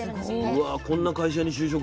うわこんな会社に就職したい。